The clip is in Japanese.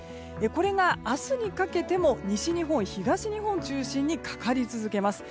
これが明日にかけても西日本、東日本中心にかかり続けます。